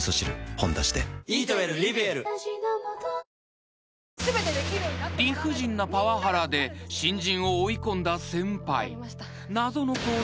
「ほんだし」で［理不尽なパワハラで新人を追い込んだ先輩］